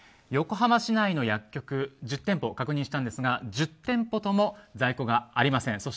横浜市内の薬局１０店舗確認したんですが１０店舗とも在庫がありません。